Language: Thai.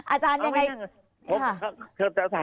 อาจารย์ยังไง